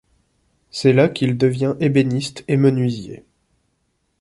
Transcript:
C'est là qu'il devient ébéniste et menuisier.